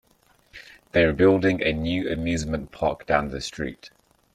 They're building a new amusement park down the street.